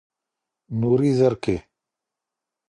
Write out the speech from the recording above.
نوري زرکي